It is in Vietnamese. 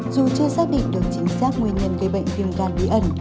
dù chưa xác định được chính xác nguyên nhân gây bệnh viêm gan bí ẩn